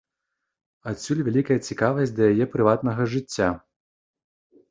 Адсюль вялікая цікавасць да яе прыватнага жыцця.